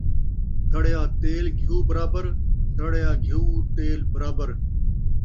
سڑیا تیل گھیو برابر ، سڑیا گھیو تیل برابر